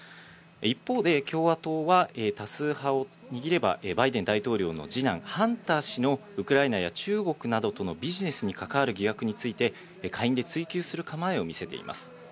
一方で、共和党は、多数派を握れば、バイデン大統領の次男、ハンター氏のウクライナや中国などとのビジネスに関わる疑惑について、下院で追及する構えを見せています。